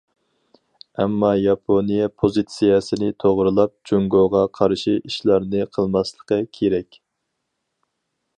ئەمما ياپونىيە پوزىتسىيەسىنى توغرىلاپ، جۇڭگوغا قارشى ئىشلارنى قىلماسلىقى كېرەك.